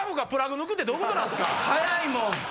速いもん！